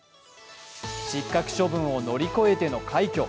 失格処分を乗り越えての快挙。